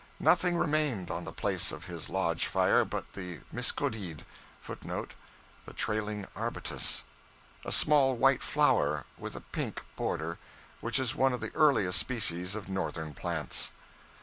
Nothing remained on the place of his lodge fire but the miskodeed,{footnote [The trailing arbutus.]} a small white flower, with a pink border, which is one of the earliest species of northern plants.